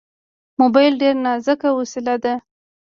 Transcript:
موبایل ډېر نازک وسیله ده.